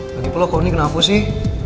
lagipula kau ini kenapa sih